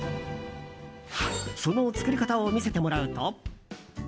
その作り方を見せてもらうと。